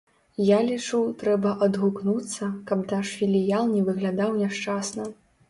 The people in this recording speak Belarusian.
Я лічу, трэба адгукнуцца, каб наш філіял не выглядаў няшчасна.